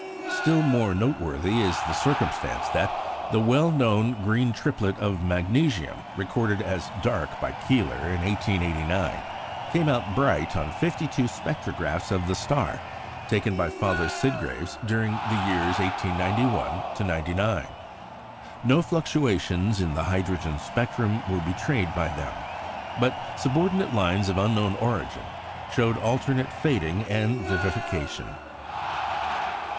Still more noteworthy is the circumstance that the well known green triplet of magnesium (b), recorded as dark by Keeler in 1889, came out bright on fifty two spectrographs of the star taken by Father Sidgreaves during the years 1891 99. No fluctuations in the hydrogen spectrum were betrayed by them; but subordinate lines of unknown origin showed alternate fading and vivification.